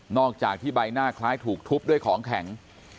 อกจากที่ใบหน้าคล้ายถูกทุบด้วยของแข็ง